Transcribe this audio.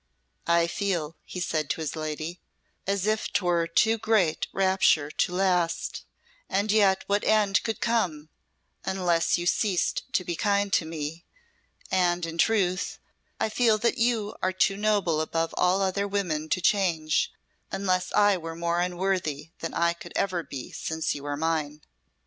"I feel," he said to his lady, "as if 'twere too great rapture to last, and yet what end could come, unless you ceased to be kind to me; and, in truth, I feel that you are too noble above all other women to change, unless I were more unworthy than I could ever be since you are mine."